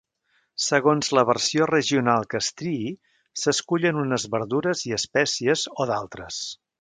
Segons la versió regional que es triï, s'escullen unes verdures i espècies o d'altres.